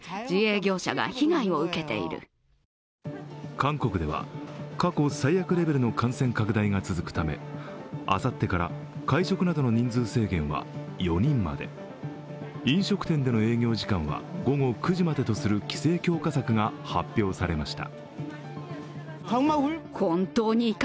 韓国では過去最悪レベルの感染拡大が続くためあさってから会食などの人数制限は４人まで、飲食店での営業時間は午後９時までとする規制強化策が発表されました。